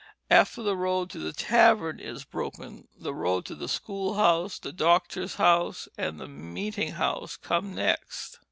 After the road to the tavern is broken, the road to the school house, the doctor's house, and the meeting house come next.